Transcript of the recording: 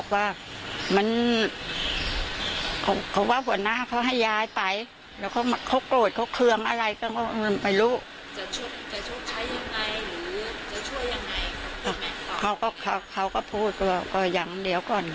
ทางโน้นก็มาค่อยจะมี